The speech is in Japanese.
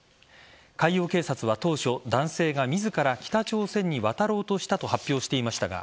海洋警察は当初、男性が自ら北朝鮮に渡ろうとしたと発表していましたが